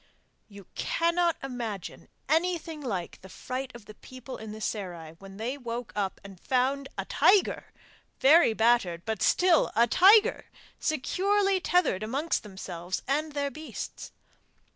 You cannot imagine anything like the fright of the people in the serai, when they woke up and found a tiger very battered but still a tiger securely tethered amongst themselves and their beasts!